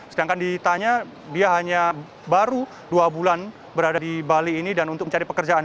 sedangkan ditanya dia hanya baru dua bulan berada di bali ini dan untuk mencari pekerjaan